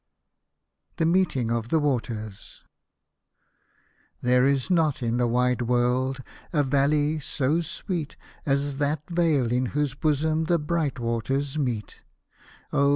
THE MEETING OF THE WATERS There is not in the wide world a valley so sweet As that vale in whose bosom the bright waters meet ; Oh